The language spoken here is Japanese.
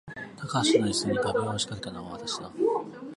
高橋の椅子に画びょうを仕掛けたのは私だ